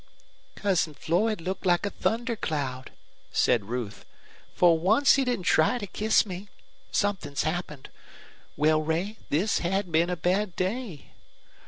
"Cousin Floyd looked like a thunder cloud," said Ruth. "For once he didn't try to kiss me. Something's happened. Well, Ray, this had been a bad day."